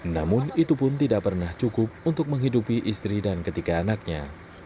namun itu pun tidak pernah cukup untuk menghidupi istri dan ketiga anaknya